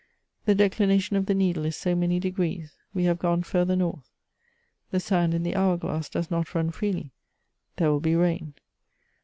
The declination of the needle is so many degrees ; we have gone further north. The sand in the hour glass does not run freely ; there will be rain.